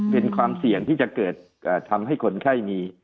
เป็นความเสี่ยงที่จะเกิดทำให้คนไข้มี